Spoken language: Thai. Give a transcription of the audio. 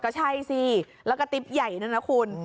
ก็ใช่สิแล้วก็ติ๊บใหญ่นั่นนะคุณ